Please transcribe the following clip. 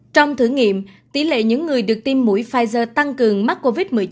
trong thử nghiệm tỷ lệ những người được tiêm mũi pfizer tăng cường mắc covid một mươi chín